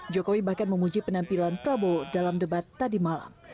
jokowi bahkan memuji penampilan prabowo dalam debat tadi malam